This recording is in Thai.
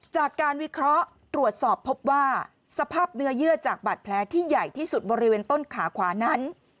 จากการวิเคราะห์ตรวจสอบพบว่าสภาพเนื้อเยื่อจากบาดแผลที่ใหญ่ที่สุดบริเวณต้นขาขวานั้น